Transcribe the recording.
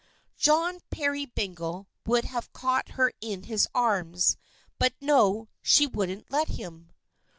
John Peerybingle would have caught her in his arms; but no, she wouldn't let him.